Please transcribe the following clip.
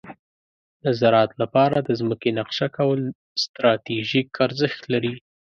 د زراعت لپاره د ځمکې نقشه کول ستراتیژیک ارزښت لري.